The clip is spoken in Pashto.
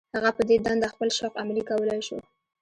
هغه په دې دنده خپل شوق عملي کولای شو.